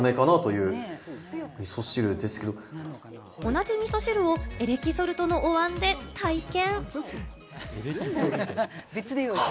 同じみそ汁をエレキソルトのおわんで体験。